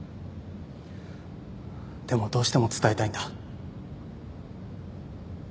でもどうしても伝えたいんだ。